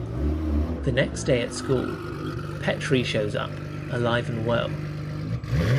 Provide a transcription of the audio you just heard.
The next day at school, Petrie shows up, alive and well.